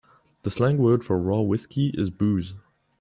The slang word for raw whiskey is booze.